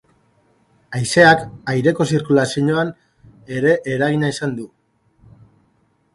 Haizeak aireko zirkulazioan ere eragina izan du.